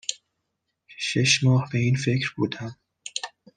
شش ماه به این فکر بودم